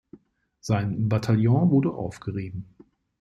Sein Bataillon wurde aufgerieben.